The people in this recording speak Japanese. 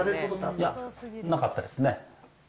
いや、なかったですね。